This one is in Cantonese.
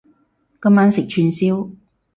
今晚食串燒